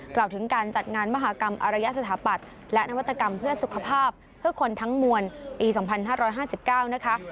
กล่าวถึงการจัดงานมหากรรมอารยสถาปัตย์และนวัตกรรมเพื่อสุขภาพเพื่อคนทั้งมวลปี๒๕๕๙นะคะ